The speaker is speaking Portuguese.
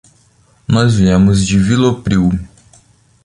Nós viemos de Vilopriu.